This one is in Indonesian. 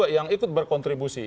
yang ikut berkontribusi